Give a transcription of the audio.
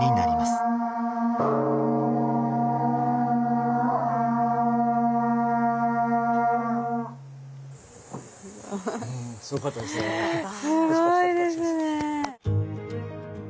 すごいですね。